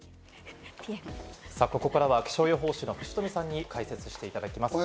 ここからは気象予報士の藤富さんに解説していただきます。